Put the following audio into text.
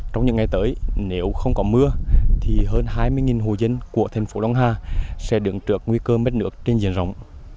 trong những ngày tới nếu không có mưa thì hơn hai mươi hồ dân của thành phố đông hà sẽ đứng trước nguy cơ mất nước trên diện rộng